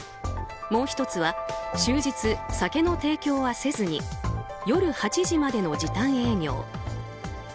もう１つは終日、酒の提供はせずに夜８時までの時短営業。